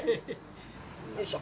よいしょ。